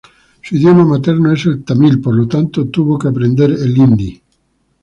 Su idioma materno es el tamil por lo tanto tuvo que aprender el hindi.